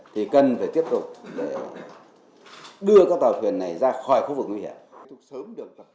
thì cần phải tiếp tục để đưa các tàu thuyền này ra khỏi khu vực nguy hiểm